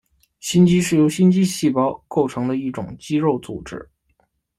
心肌是由心肌细胞构成的一种肌肉组织。